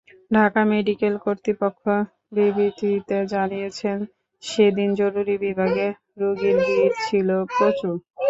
Dhaka medical কর্তৃপক্ষ বিবৃতিতে জানিয়েছে, সেদিন জরুরি বিভাগে রোগীর ভিড় ছিল প্রচুর।